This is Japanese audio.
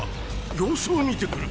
様子を見てくる。